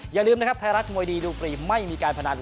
อย่าลืมนะครับไทยรัฐมวยดีดูฟรีไม่มีการพนัน